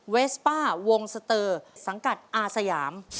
เวสป้าวงสเตอร์สังกัดอาสยาม